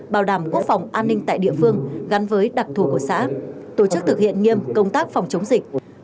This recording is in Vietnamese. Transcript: bảo đảm quốc phòng an ninh tại địa phương gắn với đặc thù của xã tổ chức thực hiện nghiêm công tác phòng chống dịch